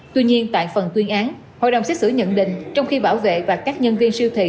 tuy nhiên tại phần tuyên án hội đồng xét xử nhận định trong khi bảo vệ và các nhân viên siêu thị